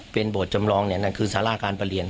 เป็นโบสถจำลองเนี่ยนั่นคือสาราการประเรียน